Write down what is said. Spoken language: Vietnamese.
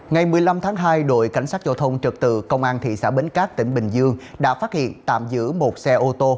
ngày một mươi năm tháng hai đội cảnh sát giao thông trật tự công an thị xã bến cát tỉnh bình dương đã phát hiện tạm giữ một xe ô tô